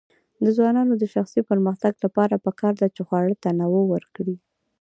د ځوانانو د شخصي پرمختګ لپاره پکار ده چې خواړه تنوع ورکړي.